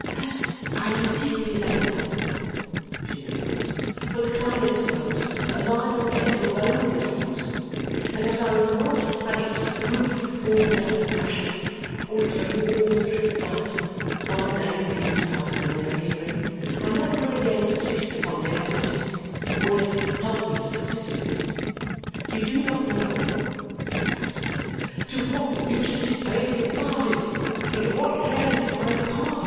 'As I am deeply thankful,' she made answer, 'for the kindness of those, alive and dead, who have owned this house; and as I would not have its roof fall down and crush me, or its very walls drip blood, my name being spoken in their hearing; I never will again subsist upon their bounty, or let it help me to subsistence. You do not know,' she added, suddenly, 'to what uses it may be applied; into what hands it may pass.